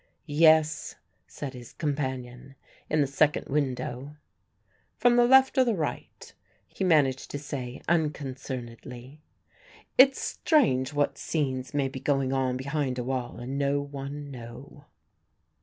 "Yes," said his companion, "in the second window." "From the left or the right?" he managed to say unconcernedly; "it's strange what scenes may be going on behind a wall and no one know."